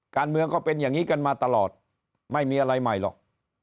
ก็เป็นอย่างนี้กันมาตลอดไม่มีอะไรใหม่หรอก